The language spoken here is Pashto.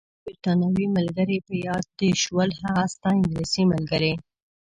ستا بریتانوي ملګرې، په یاد دې شول؟ هغه ستا انګلیسۍ ملګرې.